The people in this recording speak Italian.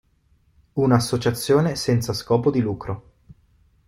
Un'associazione senza scopo di lucro.